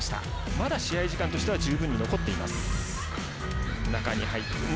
まだ試合時間としては十分に残っています。